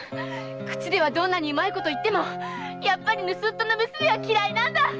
口ではどんなにうまいことを言ってもやっぱり盗っ人の娘は嫌いなんだ！